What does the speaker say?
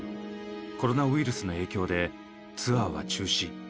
コロナウイルスの影響でツアーは中止。